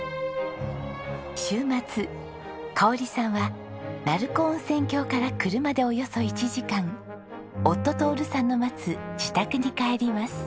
週末香さんは鳴子温泉郷から車でおよそ１時間夫徹さんの待つ自宅に帰ります。